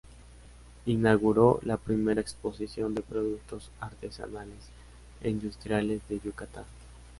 Inauguró la primera exposición de productos artesanales e industriales de Yucatán.